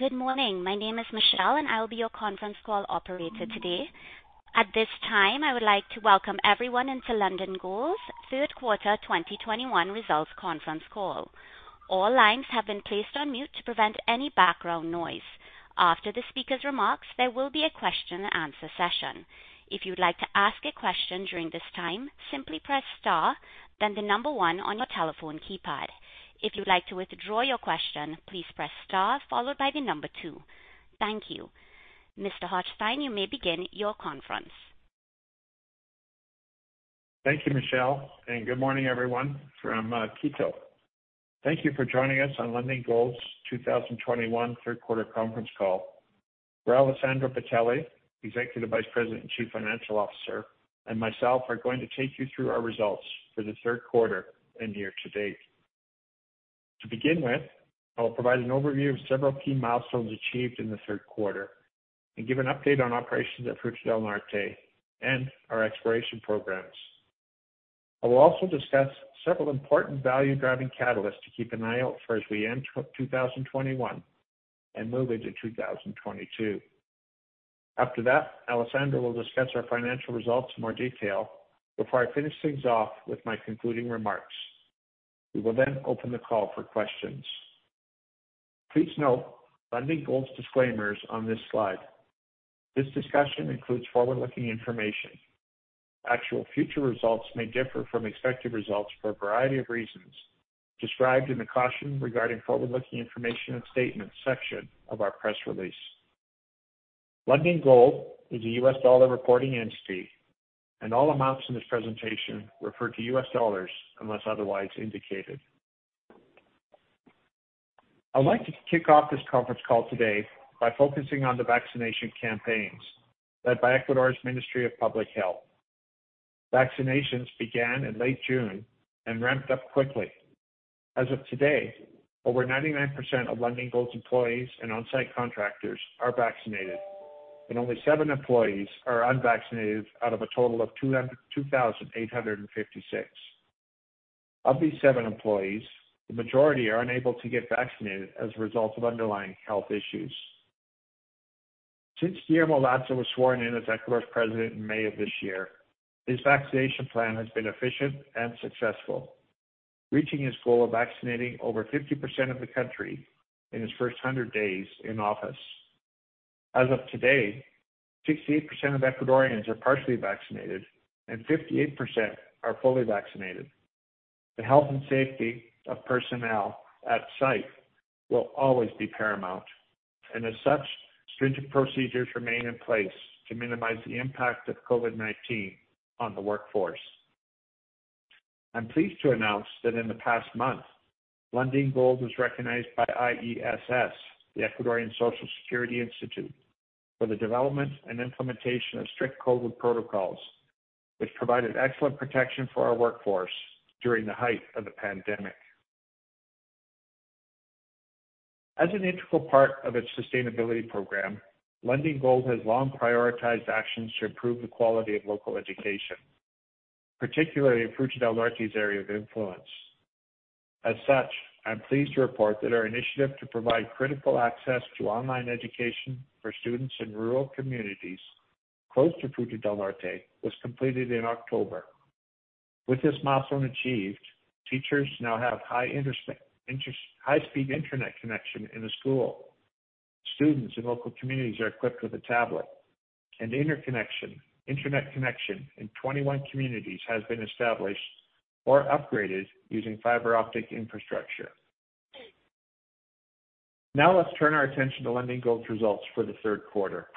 Good morning. My name is Michelle, and I will be your conference call operator today. At this time, I would like to welcome everyone to Lundin Gold's third quarter 2022 results conference call. All lines have been placed on mute to prevent any background noise. After the speaker's remarks, there will be a question and answer session. If you'd like to ask a question during this time, simply press Star, then the number one on your telephone keypad. If you'd like to withdraw your question, please press Star followed by the number two. Thank you. Mr. Hochstein, you may begin your conference. Thank you, Michelle, and good morning everyone from Quito. Thank you for joining us on Lundin Gold's 2021 third quarter conference call, where Alessandro Bitelli, Executive Vice President and Chief Financial Officer, and myself are going to take you through our results for the third quarter and year to date. To begin with, I will provide an overview of several key milestones achieved in the third quarter and give an update on operations at Fruta del Norte and our exploration programs. I will also discuss several important value-driving catalysts to keep an eye out for as we end 2021 and move into 2022. After that, Alessandro will discuss our financial results in more detail before I finish things off with my concluding remarks. We will then open the call for questions. Please note Lundin Gold's disclaimers on this slide. This discussion includes forward-looking information. Actual future results may differ from expected results for a variety of reasons described in the Caution Regarding Forward-Looking Information and Statements section of our press release. Lundin Gold is a U.S. dollar reporting entity, and all amounts in this presentation refer to U.S. dollars unless otherwise indicated. I'd like to kick off this conference call today by focusing on the vaccination campaigns led by Ecuador's Ministry of Public Health. Vaccinations began in late June and ramped up quickly. As of today, over 99% of Lundin Gold's employees and on-site contractors are vaccinated, and only seven employees are unvaccinated out of a total of 2,856. Of these seven employees, the majority are unable to get vaccinated as a result of underlying health issues. Since Guillermo Lasso was sworn in as Ecuador's president in May of this year, his vaccination plan has been efficient and successful, reaching his goal of vaccinating over 50% of the country in his first 100 days in office. As of today, 68% of Ecuadorians are partially vaccinated and 58% are fully vaccinated. The health and safety of personnel at site will always be paramount, and as such, stringent procedures remain in place to minimize the impact of COVID-19 on the workforce. I'm pleased to announce that in the past month, Lundin Gold was recognized by IESS, the Ecuadorian Social Security Institute, for the development and implementation of strict COVID protocols, which provided excellent protection for our workforce during the height of the pandemic. As an integral part of its sustainability program, Lundin Gold has long prioritized actions to improve the quality of local education, particularly in Fruta del Norte's area of influence. As such, I'm pleased to report that our initiative to provide critical access to online education for students in rural communities close to Fruta del Norte was completed in October. With this milestone achieved, teachers now have high-speed internet connection in the school. Students in local communities are equipped with a tablet and internet connection. Internet connection in 21 communities has been established or upgraded using fiber-optic infrastructure. Now let's turn our attention to Lundin Gold's results for the third quarter.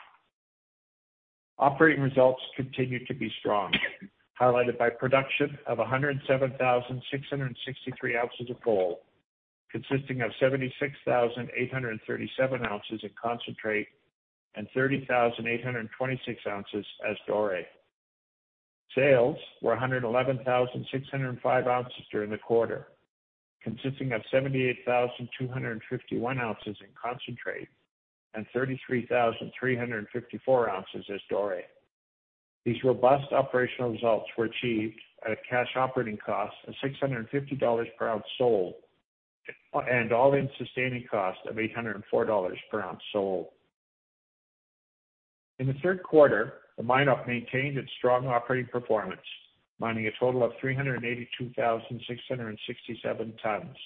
Operating results continued to be strong, highlighted by production of 107,663 ounces of gold, consisting of 76,837 ounces of concentrate and 30,826 ounces as doré. Sales were 111,605 ounces during the quarter, consisting of 78,251 ounces in concentrate and 33,354 ounces as doré. These robust operational results were achieved at a cash operating cost of $650 per ounce sold and all-in sustaining cost of $804 per ounce sold. In the third quarter, the mine op maintained its strong operating performance, mining a total of 382,667 tons.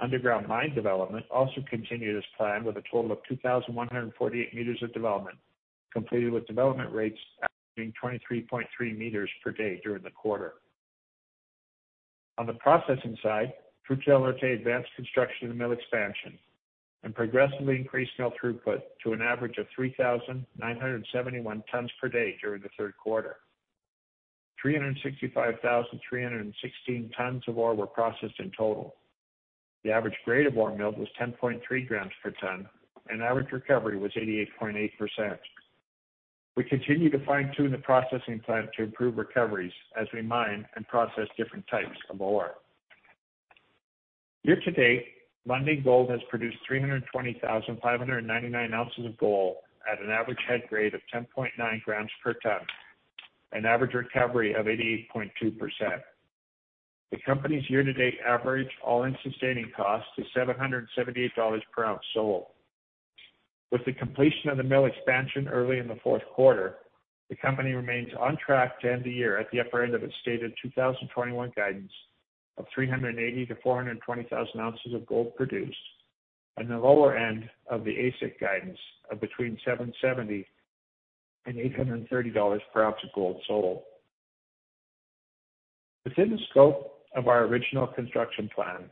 Underground mine development also continued as planned with a total of 2,148 meters of development, completed with development rates averaging 23.3 meters per day during the quarter. On the processing side, Fruta del Norte advanced construction of the mill expansion and progressively increased mill throughput to an average of 3,971 tons per day during the third quarter. 365,316 tons of ore were processed in total. The average grade of ore milled was 10.3 grams per ton, and average recovery was 88.8%. We continue to fine-tune the processing plant to improve recoveries as we mine and process different types of ore. Year-to-date, Lundin Gold has produced 320,599 ounces of gold at an average head grade of 10.9 grams per ton, an average recovery of 88.2%. The company's year-to-date average all-in sustaining cost is $778 per ounce sold. With the completion of the mill expansion early in the fourth quarter, the company remains on track to end the year at the upper end of its stated 2021 guidance of 380,000-420,000 ounces of gold produced, and the lower end of the AISC guidance of between $770 and $830 per ounce of gold sold. Within the scope of our original construction plan,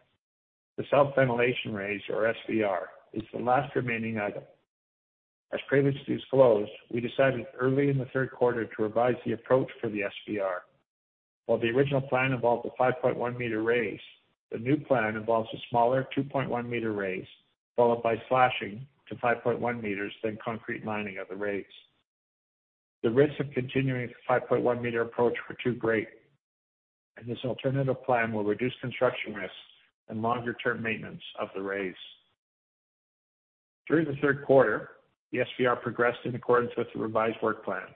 the South Ventilation Raise or SVR is the last remaining item. As previously disclosed, we decided early in the third quarter to revise the approach for the SVR. While the original plan involved a 5.1 m raise, the new plan involves a smaller 2.1 m raise, followed by slashing to 5.1 m, then shotcrete lining of the raise. The risks of continuing the 5.1 m approach were too great, and this alternative plan will reduce construction risks and longer-term maintenance of the raise. During the third quarter, the SVR progressed in accordance with the revised work plan,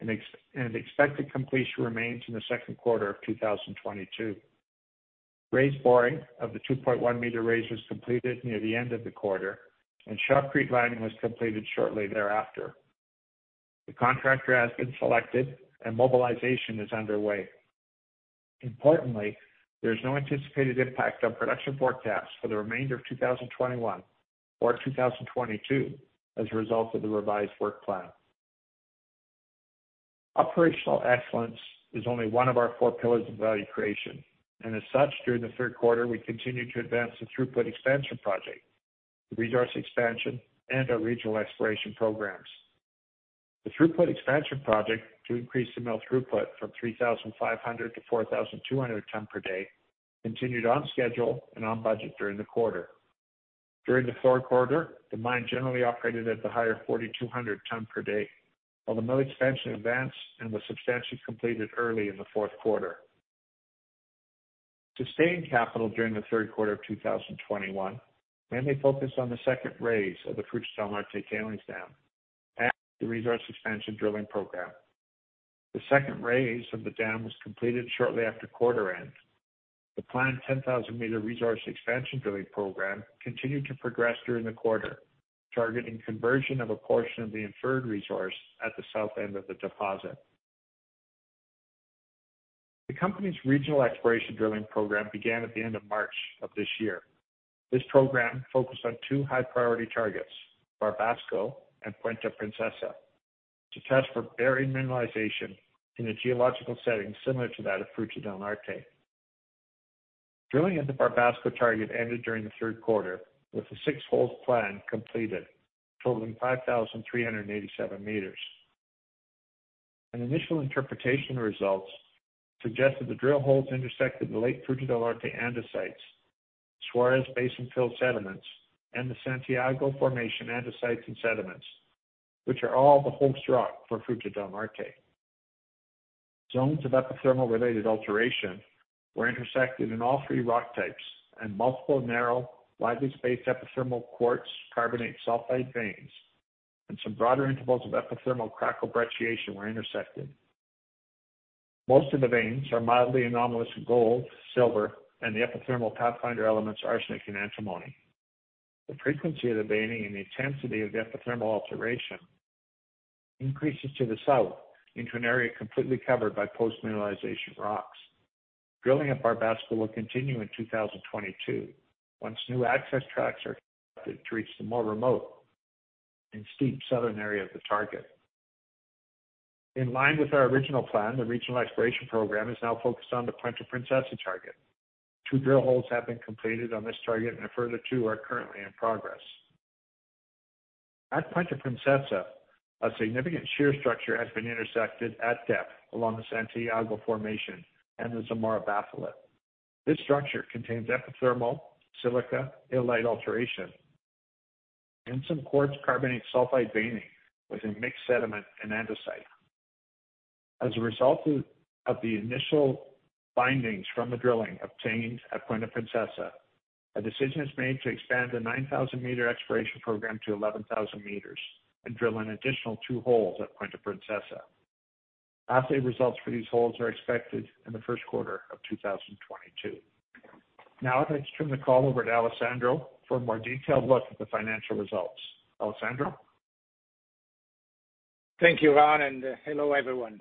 and the expected completion remains in the second quarter of 2022. Raise boring of the 2.1-meter raise was completed near the end of the quarter, and shotcrete lining was completed shortly thereafter. The contractor has been selected and mobilization is underway. Importantly, there's no anticipated impact on production forecasts for the remainder of 2021 or 2022 as a result of the revised work plan. Operational excellence is only one of our four pillars of value creation. As such, during the third quarter, we continued to advance the throughput expansion project, the resource expansion, and our regional exploration programs. The throughput expansion project to increase the mill throughput from 3,500 to 4,200 ton per day continued on schedule and on budget during the quarter. During the third quarter, the mine generally operated at the higher 4,200 tons per day, while the mill expansion advanced and was substantially completed early in the fourth quarter. Sustaining capital during the third quarter of 2021, mainly focused on the second raise of the Fruta del Norte tailings dam at the resource expansion drilling program. The second raise of the dam was completed shortly after quarter end. The planned 10,000-meter resource expansion drilling program continued to progress during the quarter, targeting conversion of a portion of the inferred resource at the south end of the deposit. The company's regional exploration drilling program began at the end of March of this year. This program focused on two high-priority targets, Barbasco and Puente Princesa, to test for buried mineralization in a geological setting similar to that of Fruta del Norte. Drilling at the Barbasco target ended during the third quarter with the six holes plan completed, totaling 5,387 meters. An initial interpretation results suggested the drill holes intersected the late Fruta del Norte andesites, Suarez Basin fill sediments, and the Santiago Formation andesites and sediments, which are all the host rock for Fruta del Norte. Zones of epithermal related alteration were intersected in all three rock types, and multiple narrow, widely spaced epithermal quartz carbonate sulfide veins, and some broader intervals of epithermal crack or brecciation were intersected. Most of the veins are mildly anomalous gold, silver, and the epithermal pathfinder elements arsenic and antimony. The frequency of the veining and the intensity of the epithermal alteration increases to the south into an area completely covered by post-mineralization rocks. Drilling at Barbasco will continue in 2022 once new access tracks are to reach the more remote and steep southern area of the target. In line with our original plan, the regional exploration program is now focused on the Puente Princesa target. Two drill holes have been completed on this target, and a further two are currently in progress. At Puente Princesa, a significant shear structure has been intersected at depth along the Santiago Formation and the Zamora Batholith. This structure contains epithermal silica-illite alteration and some quartz carbonate sulfide veining within mixed sediment and andesite. As a result of the initial findings from the drilling obtained at Puente Princesa, a decision is made to expand the 9,000-meter exploration program to 11,000 meters and drill an additional two holes at Puente-Princesa. Assay results for these holes are expected in the first quarter of 2022. Now I'd like to turn the call over to Alessandro for a more detailed look at the financial results. Alessandro? Thank you, Ron, and hello, everyone.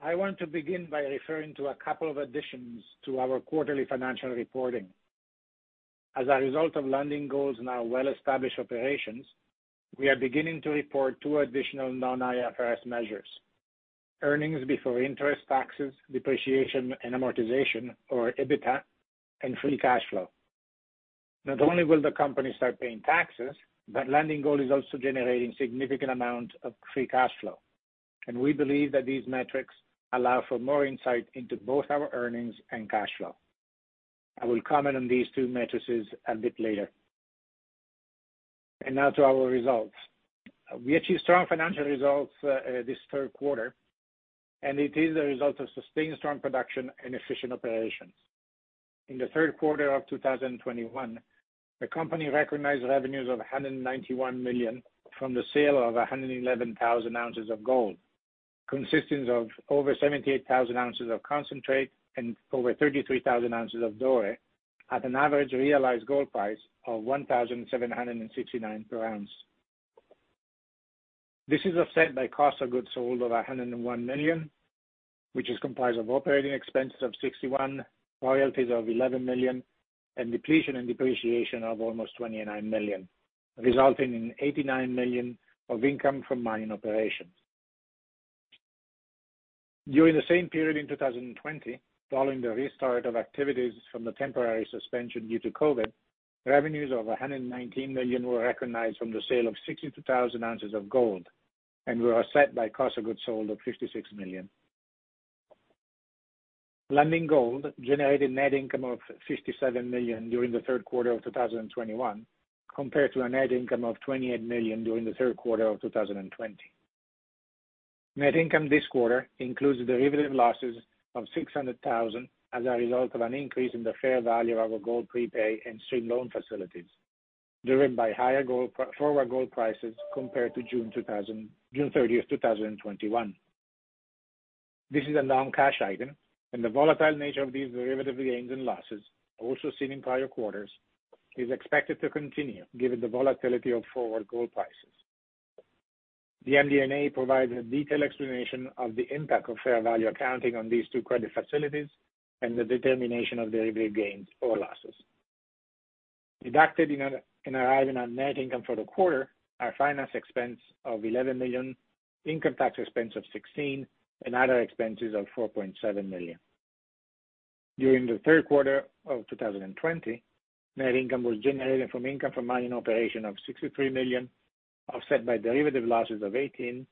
I want to begin by referring to a couple of additions to our quarterly financial reporting. As a result of Lundin Gold's now well-established operations, we are beginning to report two additional non-IFRS measures. Earnings before interest, taxes, depreciation, and amortization or EBITDA and free cash flow. Not only will the company start paying taxes, but Lundin Gold is also generating significant amount of free cash flow, and we believe that these metrics allow for more insight into both our earnings and cash flow. I will comment on these two metrics a bit later. Now to our results. We achieved strong financial results this third quarter, and it is a result of sustained strong production and efficient operations. In the third quarter of 2021, the company recognized revenues of $191 million from the sale of 111,000 ounces of gold, consisting of over 78,000 ounces of concentrate and over 33,000 ounces of gold at an average realized gold price of $1,769 per ounce. This is offset by cost of goods sold over $101 million, which is comprised of operating expenses of $61 million, royalties of $11 million, and depletion and depreciation of almost $29 million, resulting in $89 million of income from mining operations. During the same period in 2020, following the restart of activities from the temporary suspension due to COVID, revenues of $119 million were recognized from the sale of 62,000 ounces of gold and were offset by cost of goods sold of $56 million. Lundin Gold generated net income of $57 million during the third quarter of 2021 compared to a net income of $28 million during the third quarter of 2020. Net income this quarter includes derivative losses of $600,000 as a result of an increase in the fair value of our gold prepay and stream loan facilities, driven by higher forward gold prices compared to June 30, 2021. This is a non-cash item and the volatile nature of these derivative gains and losses also seen in prior quarters is expected to continue given the volatility of forward gold prices. The MD&A provides a detailed explanation of the impact of fair value accounting on these two credit facilities and the determination of derivative gains or losses. Deducted in arriving our net income for the quarter, our finance expense of $11 million, income tax expense of $16 million, and other expenses of $4.7 million. During the third quarter of 2020, net income was generated from income from mining operation of $63 million, offset by derivative losses of $18 million,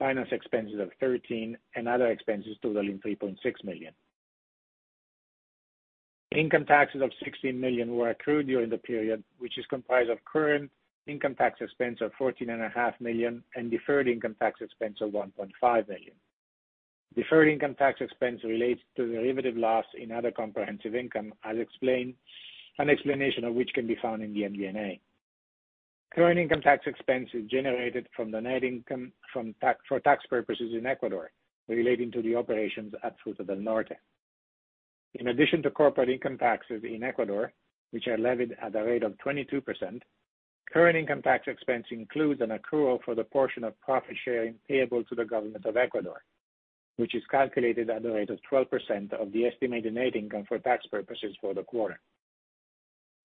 finance expenses of $13 million, and other expenses totaling $3.6 million. Income taxes of $16 million were accrued during the period, which is comprised of current income tax expense of $14.5 million and deferred income tax expense of $1.5 million. Deferred income tax expense relates to derivative loss in other comprehensive income as explained. An explanation of which can be found in the MD&A. Current income tax expense is generated from the net income for tax purposes in Ecuador relating to the operations at Fruta del Norte. In addition to corporate income taxes in Ecuador, which are levied at a rate of 22%, current income tax expense includes an accrual for the portion of profit-sharing payable to the government of Ecuador, which is calculated at the rate of 12% of the estimated net income for tax purposes for the quarter.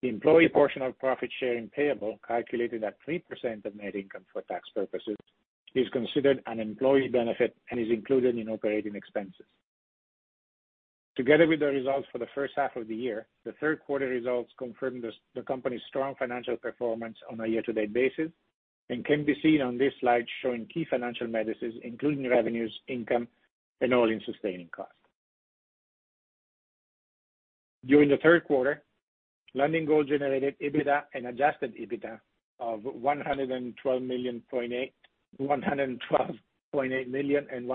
The employee portion of profit sharing payable, calculated at 3% of net income for tax purposes, is considered an employee benefit and is included in operating expenses. Together with the results for the first half of the year, the third quarter results confirm the company's strong financial performance on a year-to-date basis and can be seen on this slide showing key financial measures, including revenues, income, and all-in sustaining costs. During the third quarter, Lundin Gold generated EBITDA and adjusted EBITDA of $112.8 million and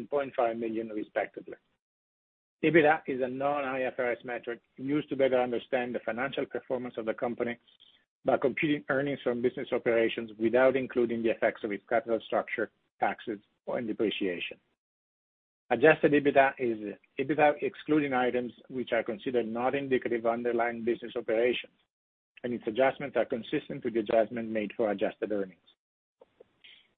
$113.5 million, respectively. EBITDA is a non-IFRS metric used to better understand the financial performance of the company by computing earnings from business operations without including the effects of its capital structure, taxes, or depreciation. Adjusted EBITDA is EBITDA excluding items which are considered not indicative of the underlying business operations, and its adjustments are consistent with the adjustment made for adjusted earnings.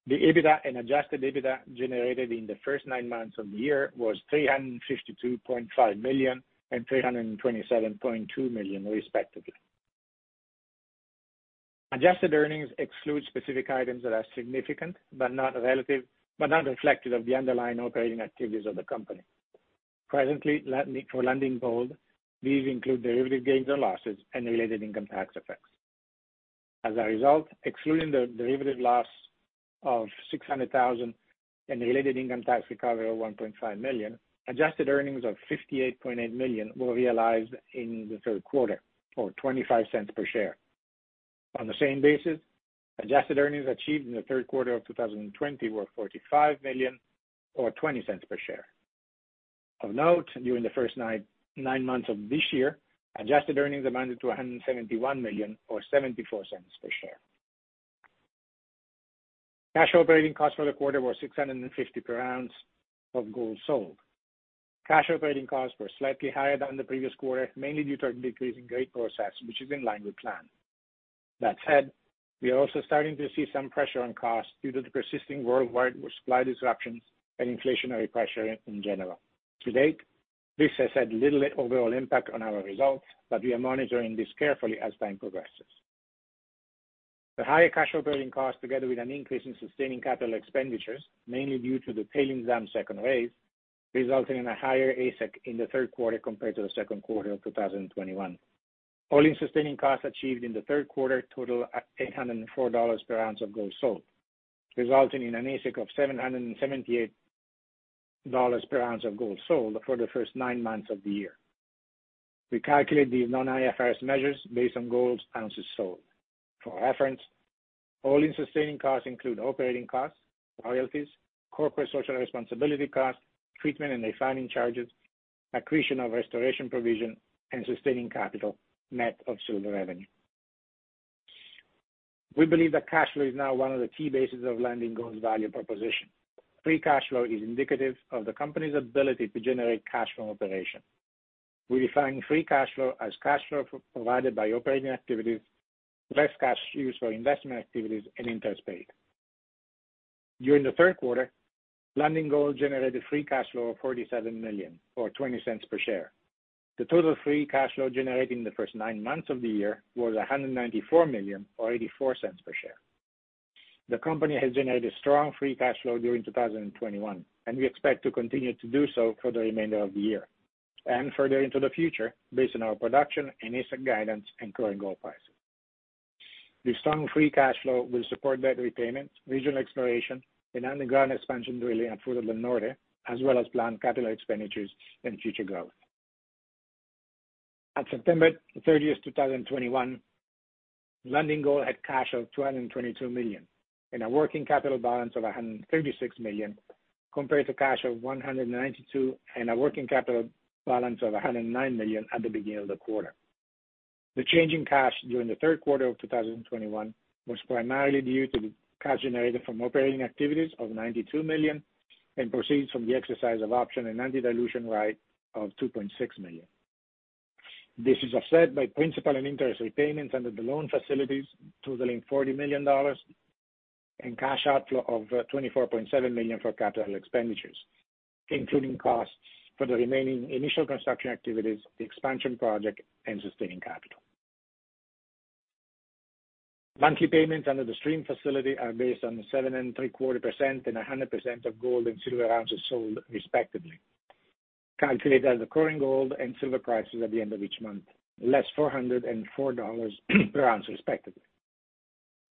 The EBITDA and adjusted EBITDA generated in the first nine months of the year were $352.5 million and $327.2 million, respectively. Adjusted earnings exclude specific items that are significant but infrequent, or not reflective of the underlying operating activities of the company. For Lundin Gold, these include derivative gains or losses and related income tax effects. As a result, excluding the derivative loss of $600,000 and related income tax recovery of $1.5 million, adjusted earnings of $58.8 million were realized in the third quarter or $0.25 per share. On the same basis, adjusted earnings achieved in the third quarter of 2020 were $45 million or $0.20 per share. Of note, during the first nine months of this year, adjusted earnings amounted to $171 million or $0.74 per share. Cash operating costs for the quarter were $650 per ounce of gold sold. Cash operating costs were slightly higher than the previous quarter, mainly due to a decrease in grade processed, which is in line with plan. That said, we are also starting to see some pressure on cost due to the persisting worldwide supply disruptions and inflationary pressure in general. To date, this has had little overall impact on our results, but we are monitoring this carefully as time progresses. The higher cash operating costs, together with an increase in sustaining capital expenditures, mainly due to the tailings dam second raise, resulting in a higher AISC in the third quarter compared to the second quarter of 2021. All-in sustaining costs achieved in the third quarter total at $804 per ounce of gold sold, resulting in an AISC of $778 per ounce of gold sold for the first nine months of the year. We calculate these non-IFRS measures based on gold ounces sold. For reference, all-in sustaining costs include operating costs, royalties, corporate social responsibility costs, treatment and refining charges, accretion of restoration provision, and sustaining capital net of silver revenue. We believe that cash flow is now one of the key bases of Lundin Gold's value proposition. Free cash flow is indicative of the company's ability to generate cash from operation. We define free cash flow as cash provided by operating activities, less cash used for investment activities and interest paid. During the third quarter, Lundin Gold generated free cash flow of $47 million or $0.20 per share. The total free cash flow generated in the first nine months of the year was $194 million or $0.84 per share. The company has generated strong free cash flow during 2021, and we expect to continue to do so for the remainder of the year and further into the future based on our production and AISC guidance and current gold prices. This strong free cash flow will support debt repayments, regional exploration, and underground expansion drilling at Fruta del Norte, as well as planned capital expenditures and future growth. As of September 30, 2021, Lundin Gold had cash of $222 million and a working capital balance of $136 million, compared to cash of $192 million and a working capital balance of $109 million at the beginning of the quarter. The change in cash during the third quarter of 2021 was primarily due to the cash generated from operating activities of $92 million and proceeds from the exercise of option and anti-dilution right of $2.6 million. This is offset by principal and interest repayments under the loan facilities totaling $40 million and cash outflow of $24.7 million for capital expenditures, including costs for the remaining initial construction activities, the expansion project, and sustaining capital. Monthly payments under the stream facility are based on 7.75% and 100% of gold and silver ounces sold respectively, calculated as the current gold and silver prices at the end of each month, less $404 per ounce respectively.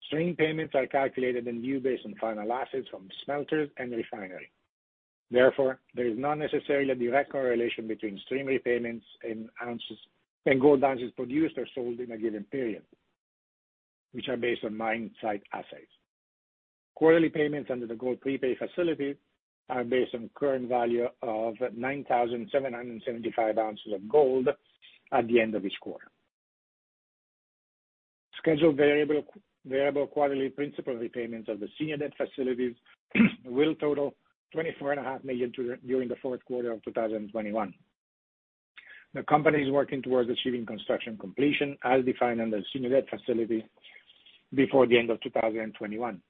Stream payments are calculated based on final assays from smelters and refinery. Therefore, there is not necessarily a direct correlation between stream repayments in ounces and gold ounces produced or sold in a given period, which are based on mine site assays. Quarterly payments under the gold prepay facility are based on current value of 9,775 ounces of gold at the end of each quarter. Scheduled variable quarterly principal repayments of the senior debt facilities will total $24.5 million during the fourth quarter of 2021. The company is working towards achieving construction completion as defined under the senior debt facility before the end of 2021.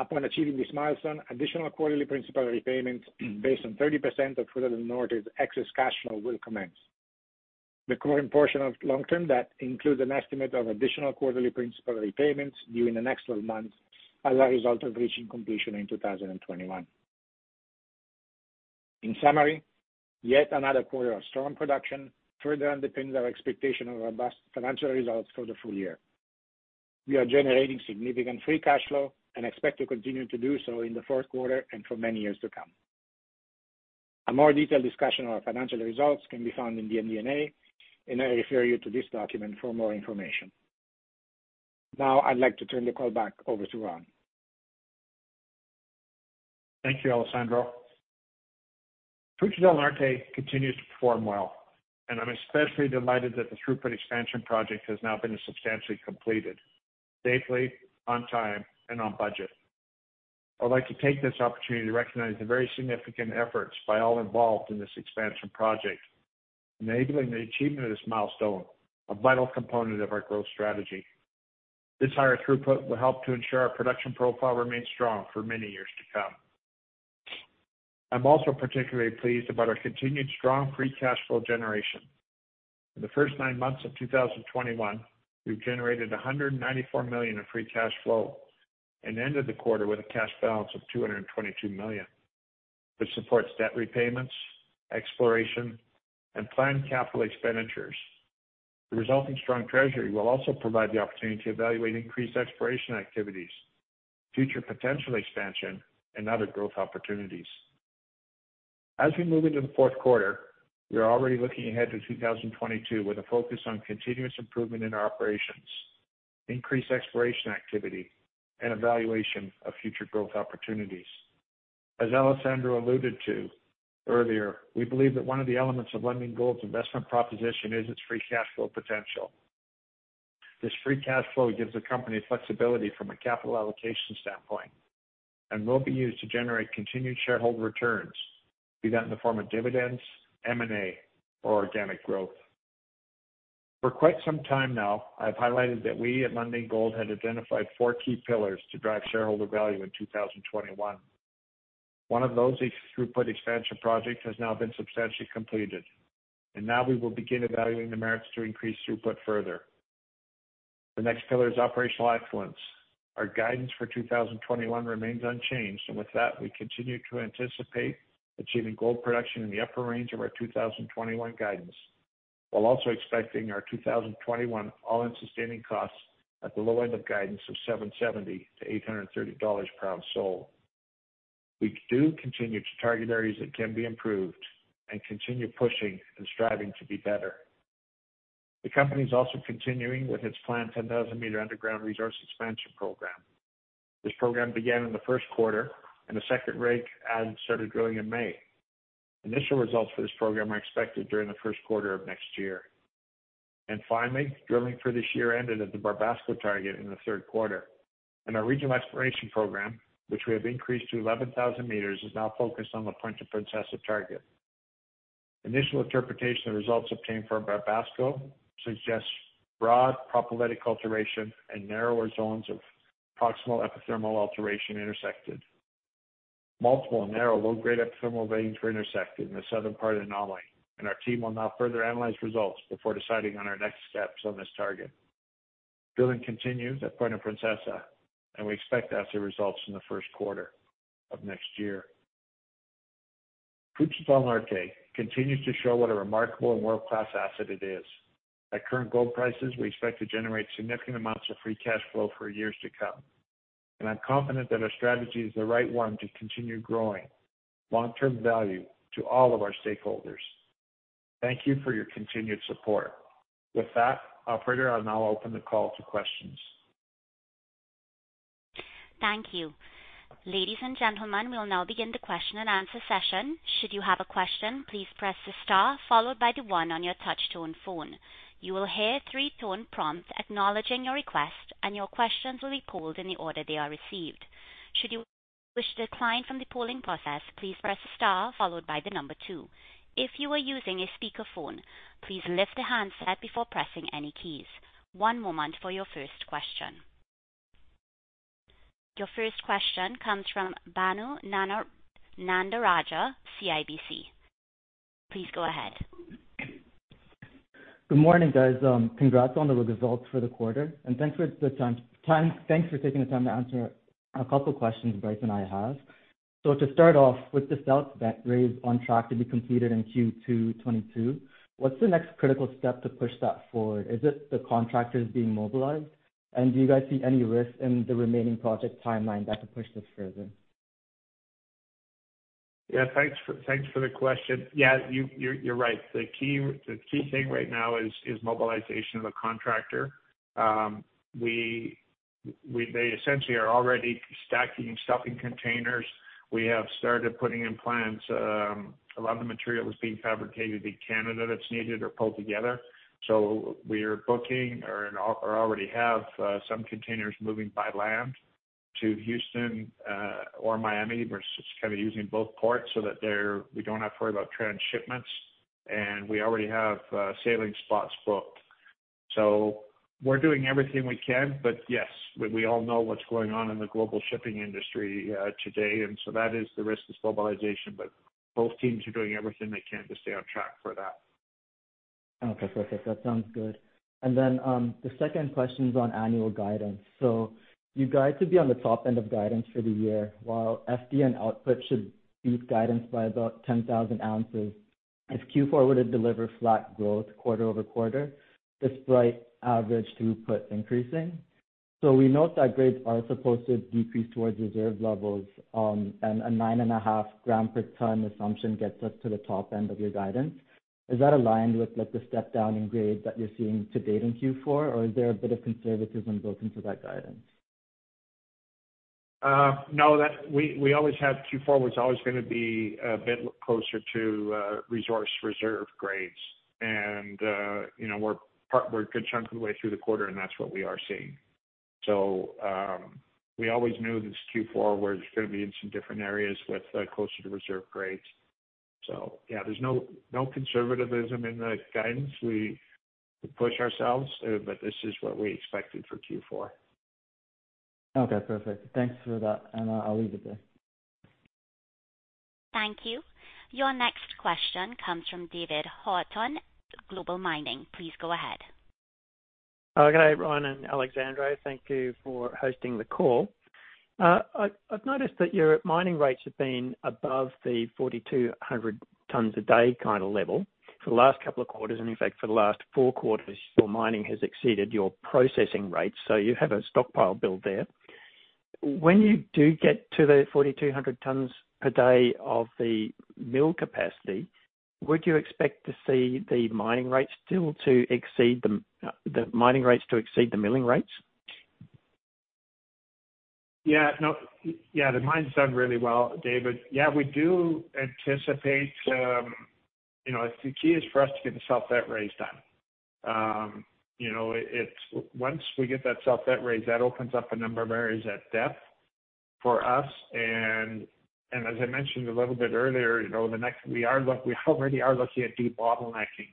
Upon achieving this milestone, additional quarterly principal repayments based on 30% of Fruta del Norte's excess cash flow will commence. The current portion of long-term debt includes an estimate of additional quarterly principal repayments during the next 12 months as a result of reaching completion in 2021. In summary, yet another quarter of strong production further underpins our expectation of robust financial results for the full year. We are generating significant free cash flow and expect to continue to do so in the fourth quarter and for many years to come. A more detailed discussion of our financial results can be found in the MD&A, and I refer you to this document for more information. Now I'd like to turn the call back over to Ron. Thank you, Alessandro. Fruta del Norte continues to perform well, and I'm especially delighted that the throughput expansion project has now been substantially completed safely, on time, and on budget. I'd like to take this opportunity to recognize the very significant efforts by all involved in this expansion project, enabling the achievement of this milestone, a vital component of our growth strategy. This higher throughput will help to ensure our production profile remains strong for many years to come. I'm also particularly pleased about our continued strong free cash flow generation. In the first nine months of 2021, we've generated $194 million in free cash flow and ended the quarter with a cash balance of $222 million, which supports debt repayments, exploration, and planned capital expenditures. The resulting strong treasury will also provide the opportunity to evaluate increased exploration activities, future potential expansion, and other growth opportunities. As we move into the fourth quarter, we are already looking ahead to 2022 with a focus on continuous improvement in our operations, increased exploration activity, and evaluation of future growth opportunities. As Alessandro alluded to earlier, we believe that one of the elements of Lundin Gold's investment proposition is its free cash flow potential. This free cash flow gives the company flexibility from a capital allocation standpoint and will be used to generate continued shareholder returns, be that in the form of dividends, M&A, or organic growth. For quite some time now, I've highlighted that we at Lundin Gold had identified four key pillars to drive shareholder value in 2021. One of those is throughput expansion project has now been substantially completed, and now we will begin evaluating the merits to increase throughput further. The next pillar is operational excellence. Our guidance for 2021 remains unchanged, and with that, we continue to anticipate achieving gold production in the upper range of our 2021 guidance, while also expecting our 2021 all-in sustaining costs at the low end of guidance of $770-$830 per ounce sold. We do continue to target areas that can be improved and continue pushing and striving to be better. The company is also continuing with its planned 10,000 m underground resource expansion program. This program began in the first quarter and a second rig and started drilling in May. Initial results for this program are expected during the first quarter of next year. Finally, drilling for this year ended at the Barbasco target in the third quarter. Our regional exploration program, which we have increased to 11,000 meters, is now focused on the Puente Princesa target. Initial interpretation of results obtained from Barbasco suggests broad propylitic alteration and narrower zones of proximal epithermal alteration intersected. Multiple narrow low-grade epithermal veins were intersected in the southern part of the anomaly, and our team will now further analyze results before deciding on our next steps on this target. Drilling continues at Puente Princesa, and we expect to have the results in the first quarter of next year. Fruta del Norte continues to show what a remarkable and world-class asset it is. At current gold prices, we expect to generate significant amounts of free cash flow for years to come. I'm confident that our strategy is the right one to continue growing long-term value to all of our stakeholders. Thank you for your continued support. With that, operator, I'll now open the call to questions. Thank you. Ladies and gentlemen, we will now begin the question and answer session. Should you have a question, please press the star followed by the one on your touch tone phone. You will hear three tone prompts acknowledging your request, and your questions will be pulled in the order they are received. Should you wish to decline from the polling process, please press star followed by the number two. If you are using a speaker phone, please lift the handset before pressing any keys. One moment for your first question. Your first question comes from Banu Nadarajah, CIBC. Please go ahead. Good morning, guys. Congrats on the good results for the quarter and thanks for taking the time to answer a couple questions Bryce and I have. To start off, with the South Ventilation Raise on track to be completed in Q2 2022, what's the next critical step to push that forward? Is it the contractors being mobilized? Do you guys see any risk in the remaining project timeline that could push this further? Yeah, thanks for the question. Yeah, you're right. The key thing right now is mobilization of the contractor. They essentially are already stacking stuff in containers. We have started putting in plans. A lot of the material is being fabricated in Canada that's needed or pulled together. We are booking or already have some containers moving by land to Houston or Miami. We're just kind of using both ports so that we don't have to worry about transshipments. We already have sailing spots booked. We're doing everything we can. Yes, we all know what's going on in the global shipping industry today, and so that is the risk of stabilization. Both teams are doing everything they can to stay on track for that. Okay, perfect. That sounds good. The second question is on annual guidance. You guide to be on the top end of guidance for the year. While FDN output should beat guidance by about 10,000 ounces if Q4 were to deliver flat growth quarter-over-quarter, despite average throughput increasing. We note that grades are supposed to decrease towards reserve levels, and a 9.5 gram per ton assumption gets us to the top end of your guidance. Is that aligned with, like, the step down in grade that you're seeing to date in Q4, or is there a bit of conservatism built into that guidance? No. We always have. Q4 was always gonna be a bit closer to resource reserve grades. You know, we're a good chunk of the way through the quarter, and that's what we are seeing. We always knew this Q4 was gonna be in some different areas with closer to reserve grades. Yeah, there's no conservatism in the guidance. We push ourselves, but this is what we expected for Q4. Okay, perfect. Thanks for that, and I'll leave it there. Thank you. Your next question comes from David Horton, Global Mining Research. Please go ahead. Okay, Ron and Alessandro, thank you for hosting the call. I've noticed that your mining rates have been above the 4,200 tons a day kind of level for the last couple of quarters. In fact, for the last four quarters, your mining has exceeded your processing rates. You have a stockpile build there. When you do get to the 4,200 tons per day of the mill capacity, would you expect to see the mining rates still to exceed the milling rates? Yeah. No. Yeah, the mine's done really well, David. Yeah, we do anticipate you know, the key is for us to get the south vent raise done. You know, once we get that south vent raise, that opens up a number of areas at depth for us. As I mentioned a little bit earlier, you know, we already are looking at debottlenecking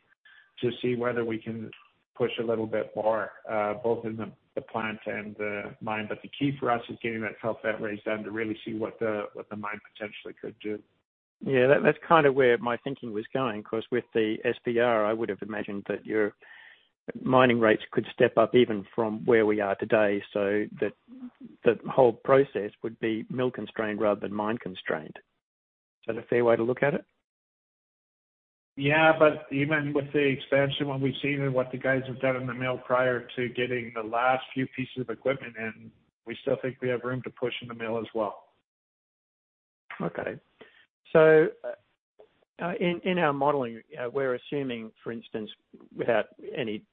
to see whether we can push a little bit more both in the plant and the mine. But the key for us is getting that south vent raise done to really see what the mine potentially could do. Yeah, that's kind of where my thinking was going, because with the SVR, I would have imagined that your mining rates could step up even from where we are today, so the whole process would be mill constrained rather than mine constrained. Is that a fair way to look at it? Yeah, but even with the expansion, what we've seen and what the guys have done in the mill prior to getting the last few pieces of equipment in, we still think we have room to push in the mill as well. Okay. In our modeling, we're assuming, for instance, without any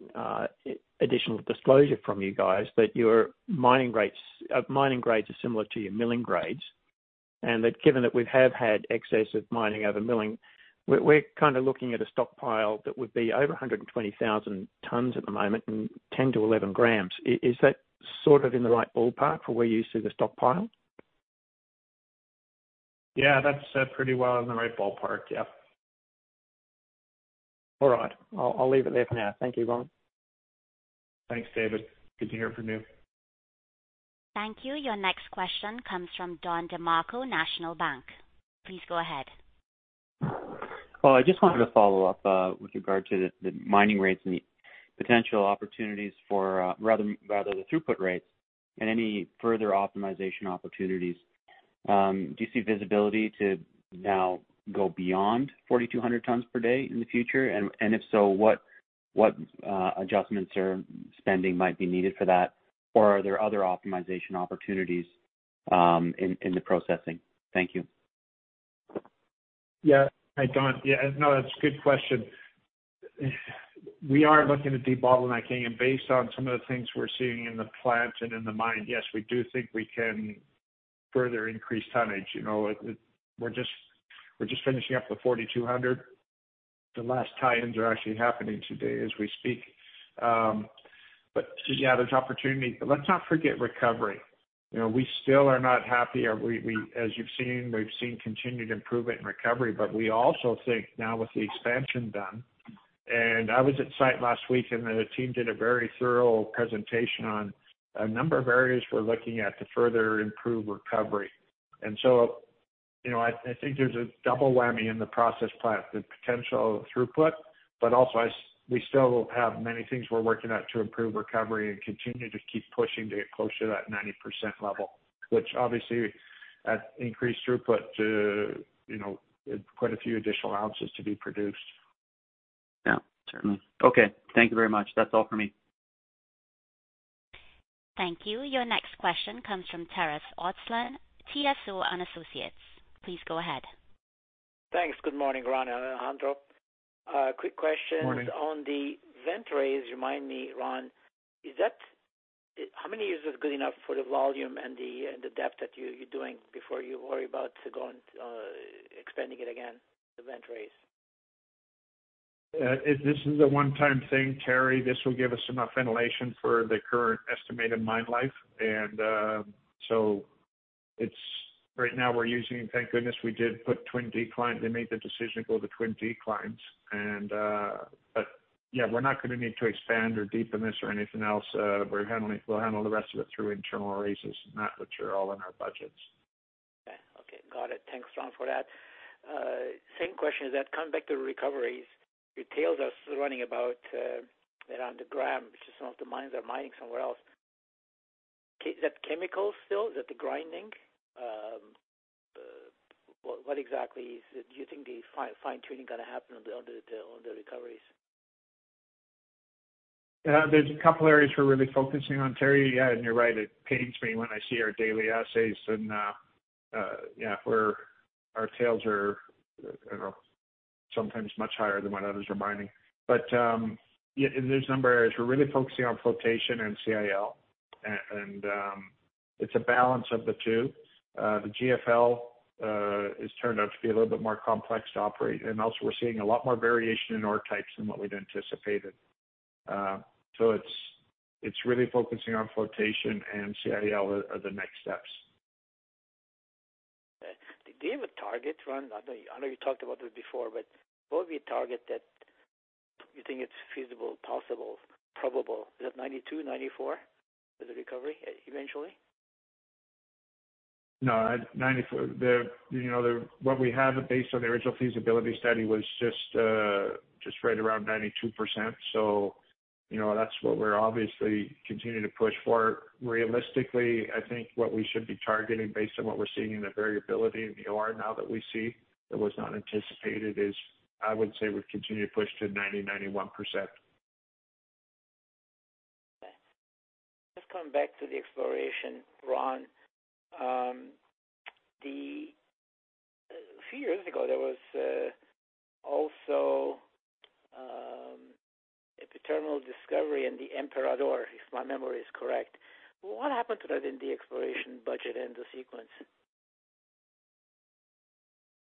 additional disclosure from you guys, that your mining rates, mining grades are similar to your milling grades. Given that we have had excess of mining over milling, we're kind of looking at a stockpile that would be over 120,000 tons at the moment and 10-11 grams. Is that sort of in the right ballpark for where you see the stockpile? Yeah, that's pretty well in the right ballpark. Yeah. All right. I'll leave it there for now. Thank you, Ron. Thanks, David. Good to hear from you. Thank you. Your next question comes from Don DeMarco, National Bank. Please go ahead. Well, I just wanted to follow up with regard to the mining rates and the potential opportunities for rather the throughput rates and any further optimization opportunities. Do you see visibility to now go beyond 4,200 tons per day in the future? And if so, what adjustments or spending might be needed for that? Or are there other optimization opportunities in the processing? Thank you. Yeah. Hey, Don. Yeah, no, that's a good question. We are looking to debottlenecking. Based on some of the things we're seeing in the plant and in the mine, yes, we do think we can further increase tonnage. You know, we're just finishing up the 4,200. The last tie-ins are actually happening today as we speak. But yeah, there's opportunity. Let's not forget recovery. You know, we still are not happy. As you've seen, we've seen continued improvement in recovery. We also think now with the expansion done, and I was at site last week, and the team did a very thorough presentation on a number of areas we're looking at to further improve recovery. You know, I think there's a double whammy in the process plant, the potential throughput, but also we still have many things we're working at to improve recovery and continue to keep pushing to get closer to that 90% level, which obviously adds increased throughput to, you know, quite a few additional ounces to be produced. Yeah. Certainly. Okay. Thank you very much. That's all for me. Thank you. Your next question comes from Terry Ostler, TSU and Associates. Please go ahead. Thanks. Good morning, Ron and Alessandro. Quick questions. Morning. On the vent raise. Remind me, Ron, is that how many years is good enough for the volume and the depth that you're doing before you worry about going, expanding it again, the vent raise? This is a one-time thing, Terry. This will give us enough ventilation for the current estimated mine life. Thank goodness we did put twin decline. They made the decision to go with the twin declines. Yeah, we're not gonna need to expand or deepen this or anything else. We'll handle the rest of it through internal raises and that which are all in our budgets. Okay. Got it. Thanks, Ron, for that. Same question. Is that coming back to recoveries? Your tails are running about around the gram, which is some of the mines are mining somewhere else. Is that chemical still? Is that the grinding? What exactly is it? Do you think the fine-tuning gonna happen on the recoveries? Yeah. There's a couple areas we're really focusing on, Terry. Yeah, and you're right, it pains me when I see our daily assays and where our tails are, you know, sometimes much higher than what others are mining. There's a number of areas. We're really focusing on flotation and CIL, and it's a balance of the two. The has turned out to be a little bit more complex to operate, and also we're seeing a lot more variation in ore types than what we'd anticipated. It's really focusing on flotation and CIL are the next steps. Okay. Do you have a target, Ron? I know you talked about it before, but what would be a target that you think it's feasible, possible, probable? Is that 92%-94% as a recovery eventually? What we have based on the original feasibility study was just right around 92%. You know, that's what we're obviously continuing to push for. Realistically, I think what we should be targeting based on what we're seeing in the variability in the ore now that we see that was not anticipated is, I would say we've continued to push to 90%-91%. Okay. Just coming back to the exploration, Ron. A few years ago, there was also a potential discovery in the Emperador, if my memory is correct. What happened to that in the exploration budget and the sequence?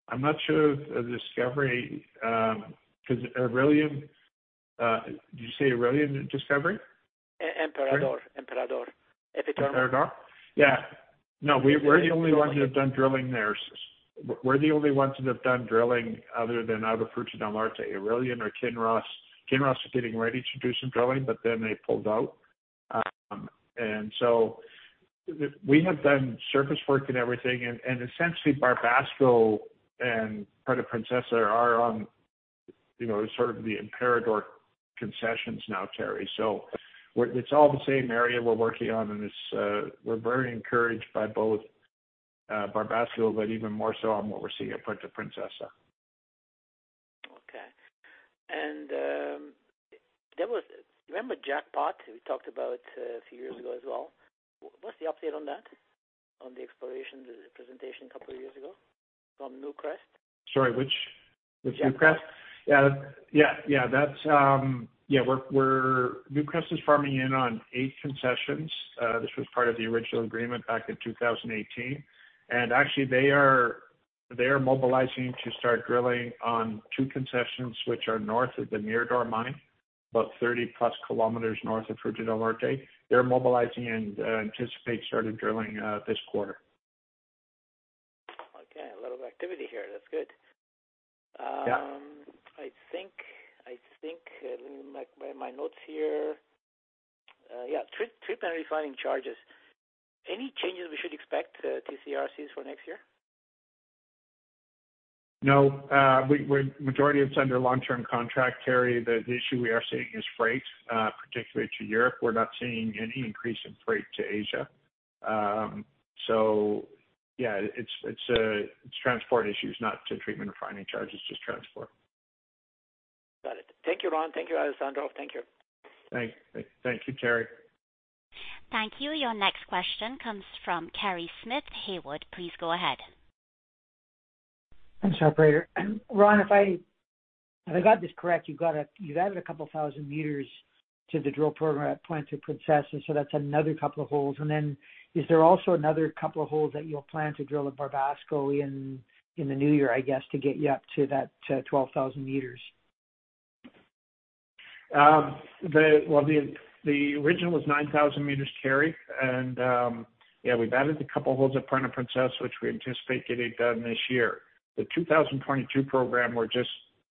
I'm not sure of the discovery, because Aurelian, did you say Aurelian discovery? Emperador. Sorry. Emperador. Emperador? Yeah. No, we're the only ones who have done drilling there. We're the only ones that have done drilling other than Fruta del Norte, Aurelian or Kinross. Kinross was getting ready to do some drilling, but then they pulled out. We have done surface work and everything. Essentially Barbasco and part of Puente Princesa are on, you know, sort of the Emperador concessions now, Terry. It's all the same area we're working on, and it's, we're very encouraged by both Barbasco, but even more so on what we're seeing at Puente Princesa. Okay. Remember Jackpot, we talked about a few years ago as well. What's the update on that, on the exploration presentation a couple of years ago from Newcrest? Sorry, which? Which Newcrest? Yeah. Newcrest is farming in on eight concessions. This was part of the original agreement back in 2018. Actually they are mobilizing to start drilling on two concessions which are north of the Mirador mine, about 30+ km north of Fruta del Norte. They're mobilizing and anticipate starting drilling this quarter. Okay. A little activity here. That's good. Yeah. I think, let me look at my notes here. Yeah. Treatment refining charges. Any changes we should expect, TCRCs for next year? No. The majority of it's under long-term contract, Terry. The issue we are seeing is freight, particularly to Europe. We're not seeing any increase in freight to Asia. Yeah, it's transport issues, not the treatment and refining charges, just transport. Got it. Thank you, Ron. Thank you, Alessandro. Thank you. Thank you, Terry. Thank you. Your next question comes from Kerry Smith, Haywood Securities. Please go ahead. Thanks, operator. Ron, if I got this correct, you've added a couple thousand meters to the drill program at Puente Princesa, so that's another couple of holes. Is there also another couple of holes that you'll plan to drill at Barbasco in the new year, I guess, to get you up to that, to 12,000 meters? The original was 9,000 meters, Kerry, and yeah, we've added a couple holes at Puente Princesa, which we anticipate getting done this year. The 2022 program,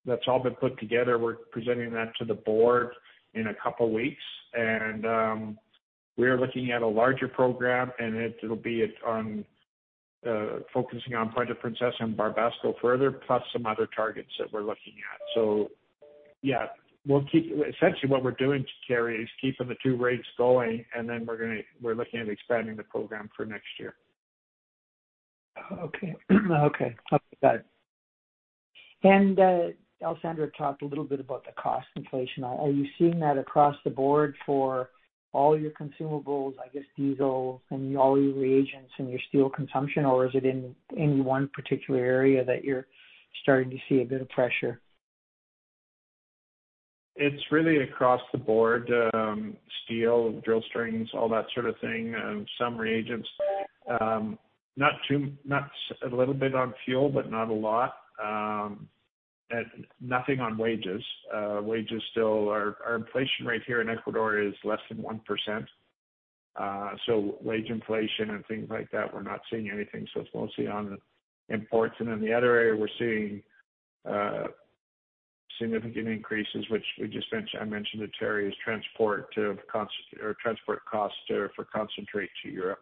that's all been put together. We're presenting that to the board in a couple weeks, and we're looking at a larger program, and it'll be on focusing on Puente Princesa and Barbasco further, plus some other targets that we're looking at. Yeah, essentially what we're doing, Kerry, is keeping the two rigs going, and then we're looking at expanding the program for next year. Okay. Copy that. Alessandro talked a little bit about the cost inflation. Are you seeing that across the board for all your consumables, I guess diesel and all your reagents and your steel consumption, or is it in one particular area that you're starting to see a bit of pressure? It's really across the board, steel, drill strings, all that sort of thing, some reagents. A little bit on fuel, but not a lot. Nothing on wages. Wages still are. Our inflation rate here in Ecuador is less than 1%, so wage inflation and things like that, we're not seeing anything. It's mostly on the imports. The other area we're seeing significant increases, which we just mentioned, I mentioned to Kerry, is transport costs for concentrate to Europe.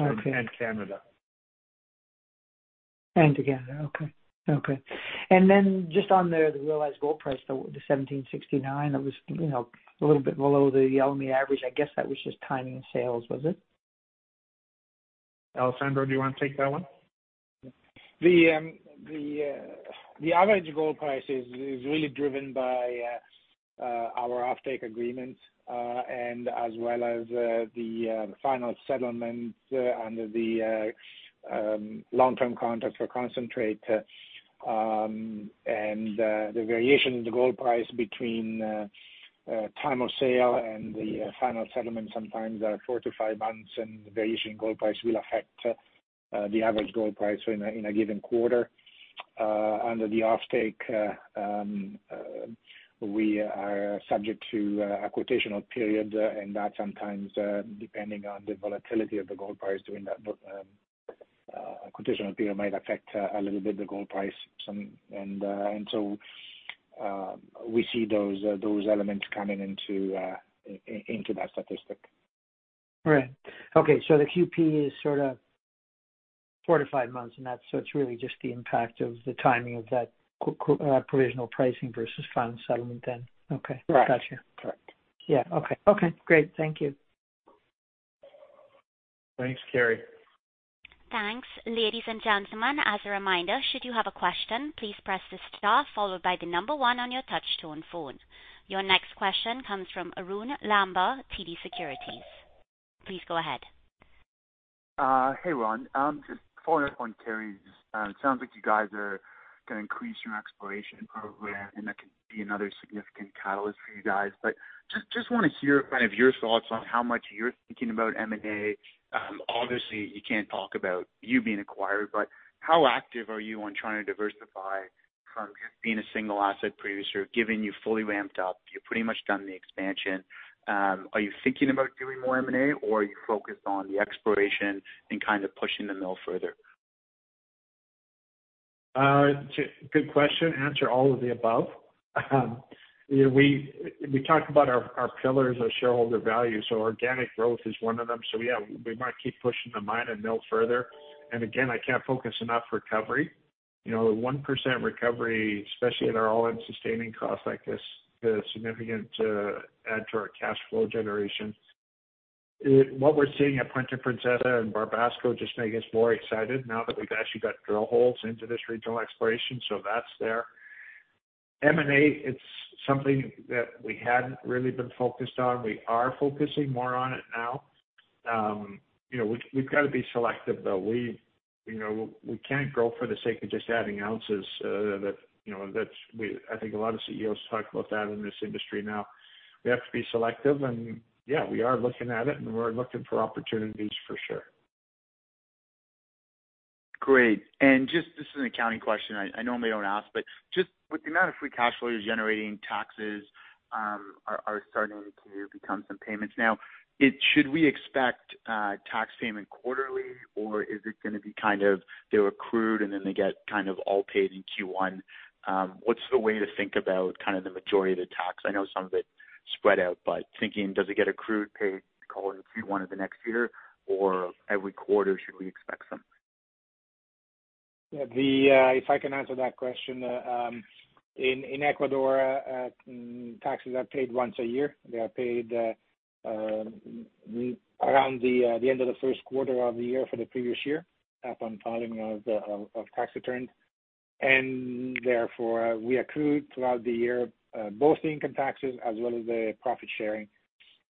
Okay. Canada. To Canada. Okay. Then just on the realized gold price, the $1,769, that was, you know, a little bit below the average. I guess that was just timing of sales, was it? Alessandro, do you want to take that one? The average gold price is really driven by our offtake agreement and as well as the final settlement under the long-term contract for concentrate. The variation in the gold price between time of sale and the final settlement sometimes are four to five months, and the variation in gold price will affect the average gold price in a given quarter. Under the offtake, we are subject to a quotational period, and that sometimes, depending on the volatility of the gold price during that quotational period might affect a little bit the gold price some. We see those elements coming into that statistic. Right. Okay. The QP is sort of 4-5 months, and that's so it's really just the impact of the timing of that quarter-over-quarter, provisional pricing versus final settlement then. Okay. Right. Gotcha. Correct. Yeah. Okay, great. Thank you. Thanks, Kerry. Thanks. Ladies and gentlemen, as a reminder, should you have a question, please press the star followed by the number one on your touch tone phone. Your next question comes from Arun Lamba, TD Securities. Please go ahead. Hey, Ron. Just following up on Kerry's, sounds like you guys are gonna increase your exploration program, and that could be another significant catalyst for you guys. Wanna hear kind of your thoughts on how much you're thinking about M&A. Obviously you can't talk about you being acquired, but how active are you on trying to diversify from just being a single asset producer, given you're fully ramped up, you're pretty much done the expansion. Are you thinking about doing more M&A or are you focused on the exploration and kind of pushing the mill further? Good question. Answer, all of the above. We talked about our pillars, our shareholder value. Organic growth is one of them. Yeah, we might keep pushing the mine and mill further. Again, I can't emphasize enough. Recovery, you know, one percent recovery, especially at our all-in sustaining cost, I guess, is a significant add to our cash flow generation. What we're seeing at Puente Princesa and Barbasco just make us more excited now that we've actually got drill holes into this regional exploration, so that's there. M&A, it's something that we hadn't really been focused on. We are focusing more on it now. You know, we've got to be selective, though. We, you know, we can't grow for the sake of just adding ounces, that, you know, that's, I think a lot of CEOs talk about that in this industry now. We have to be selective and, yeah, we are looking at it and we're looking for opportunities for sure. Great. Just, this is an accounting question. I normally don't ask, but just with the amount of free cash flow you're generating, taxes are starting to become some payments now. Should we expect tax payment quarterly, or is it gonna be kind of they're accrued and then they get kind of all paid in Q1? What's the way to think about kind of the majority of the tax? I know some of it's spread out, but thinking, does it get accrued, paid all in Q1 of the next year, or every quarter, should we expect some? If I can answer that question. In Ecuador, taxes are paid once a year. They are paid around the end of the first quarter of the year for the previous year, upon filing of the tax returns. Therefore, we accrue throughout the year both the income taxes as well as the profit sharing,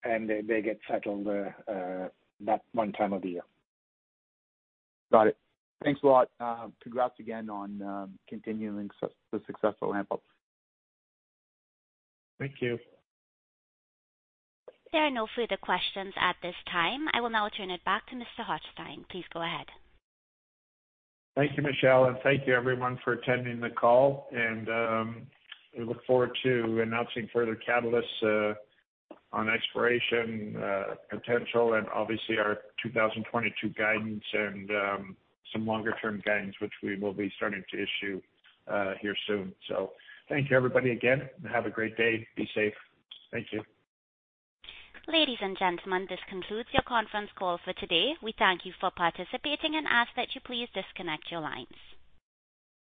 and they get settled that one time of the year. Got it. Thanks a lot. Congrats again on continuing the successful ramp-up. Thank you. There are no further questions at this time. I will now turn it back to Mr. Hochstein. Please go ahead. Thank you, Michelle, and thank you everyone for attending the call. We look forward to announcing further catalysts on exploration potential and obviously our 2022 guidance and some longer term guidance which we will be starting to issue here soon. Thank you everybody again, and have a great day. Be safe. Thank you. Ladies and gentlemen, this concludes your conference call for today. We thank you for participating and ask that you please disconnect your lines.